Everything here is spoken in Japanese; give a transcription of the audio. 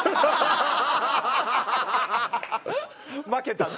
負けたな。